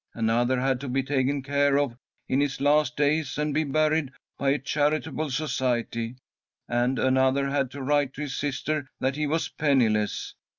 Another had to be taken care of in his last days and be buried by a charitable society, and another had to write to his sister that he was penniless.